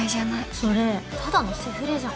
それただのセフレじゃん。